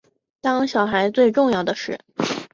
当小孩最重要的事